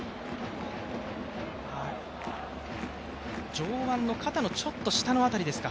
上腕の肩の、ちょっと下あたりですか。